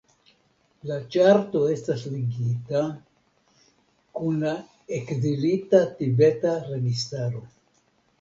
La ĉarto estas ligita kun la Ekzilita tibeta registaro.